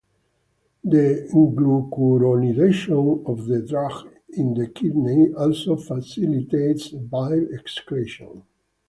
The glucuronidation of the drug in the kidney also facilitates bile excretion.